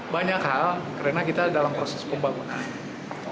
banyak hal karena kita dalam proses pembangunan